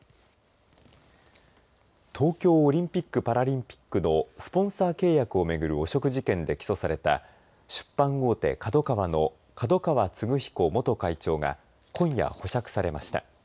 東京オリンピック・パラリンピックのスポンサー契約を巡る汚職事件で起訴された出版大手ＫＡＤＯＫＡＷＡの角川歴彦元会長が今夜、保釈されました。